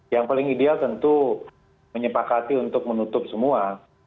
yang paling ideal tentu menyepakati untuk menutup semua